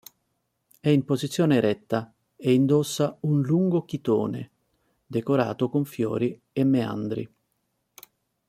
È in posizione eretta e indossa un lungo chitone, decorato con fiori e meandri.